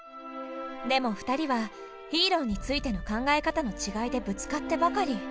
でも２人はヒーローについての考え方の違いでぶつかってばかり。